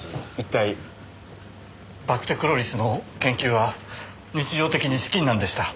バクテクロリスの研究は日常的に資金難でした。